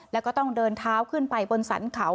แล้วก็ต้องเดินเท้าขึ้นไปบนสรรเขา